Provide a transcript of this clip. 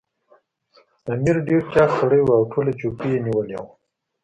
امیر ډېر چاغ سړی وو او ټوله چوکۍ یې نیولې وه.